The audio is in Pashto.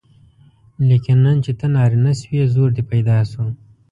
لیکن نن چې ته نارینه شوې زور دې پیدا شو.